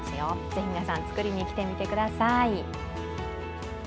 ぜひ皆さん、作りにきてください。